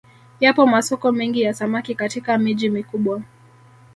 Yapo masoko mengi ya samaki katika miji mikubwa